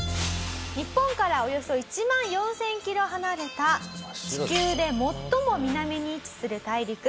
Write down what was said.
日本からおよそ１万４０００キロ離れた地球で最も南に位置する大陸南極。